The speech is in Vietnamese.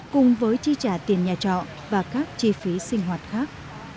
cùng với chi trả tiền nhà trọ và các chi phí sinh hoạt khác